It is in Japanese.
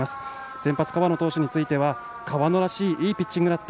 先発河野投手については河野らしいいいピッチングだった。